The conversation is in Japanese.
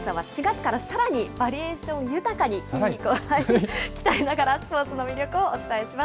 はい、おはＳＰＯ筋肉体操は４月からさらにバリエーション豊かに、筋肉を鍛えながらスポーツの魅力をお伝えします。